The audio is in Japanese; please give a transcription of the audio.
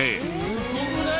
すごくない？